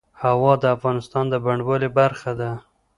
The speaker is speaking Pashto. هوا د افغانستان د بڼوالۍ برخه ده.